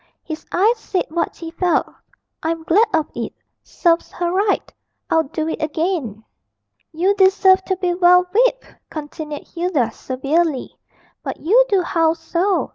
His eyes said what he felt 'I'm glad of it serves her right; I'd do it again.' 'You deserve to be well whipped,' continued Hilda, severely; 'but you do howl so.